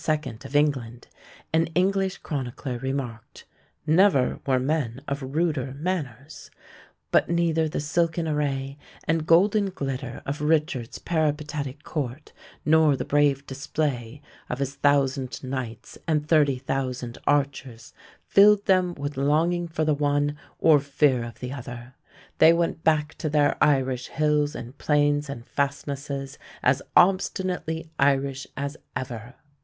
of England, an English chronicler remarked, "Never were men of ruder manners"; but neither the silken array and golden glitter of Richard's peripatetic court nor the brave display of his thousand knights and thirty thousand archers filled them with longing for the one or fear of the other. They went back to their Irish hills and plains and fastnesses as obstinately Irish as ever.